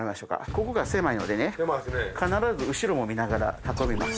ここが狭いのでね必ず後ろも見ながら運びます。